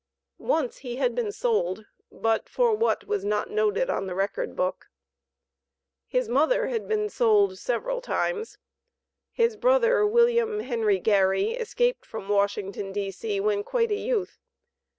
Once he had been sold, but for what was not noted on the record book. His mother had been sold several times. His brother, William Henry Gary, escaped from Washington, D.C., when quite a youth.